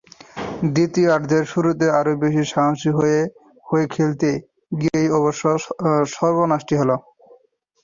দ্বিতীয়ার্ধের শুরুতে আরও বেশি সাহসী হয়ে খেলতে গিয়েই অবশ্য সর্বনাশটি হলো।